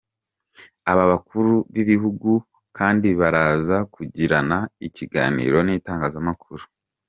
Aba bakuru b’Ibihugu kandi baraza kugirana ikiganiro n’itangazamakuru.